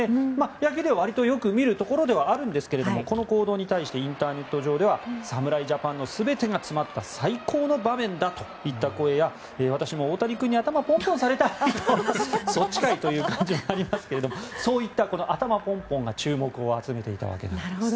野球ではわりとよく見るところではあるんですがこの行動に対してインターネット上では侍ジャパンの全てが詰まった最高の場面だといった声や私も大谷君に頭ポンポンされたいとそっちかいという感じはありますがそういった頭ポンポンが注目を集めていたわけです。